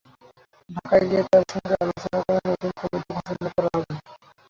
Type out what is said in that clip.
ঢাকায় গিয়ে তাঁর সঙ্গে আলোচনা করে নতুন কমিটি ঘোষণা করা হবে।